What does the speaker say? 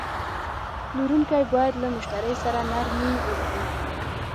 پلورونکی باید له مشتری سره نرمي وکړي.